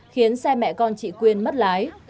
khiến xe mẹ con chị quyên mất lái